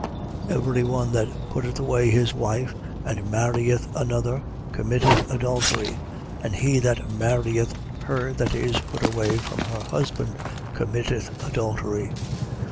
16:18. Every one that putteth away his wife and marrieth another committeth adultery: and he that marrieth her that is put away from her husband committeth adultery.